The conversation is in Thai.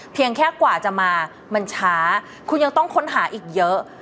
เพียงแค่กว่าจะมามันช้าคุณยังต้องค้นหาอีกเยอะ